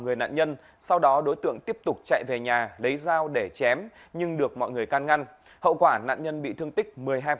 người nạn nhân sau đó đối tượng tiếp tục chạy về nhà lấy dao để chém nhưng được mọi người can ngăn hậu quả nạn nhân bị thương tích một mươi hai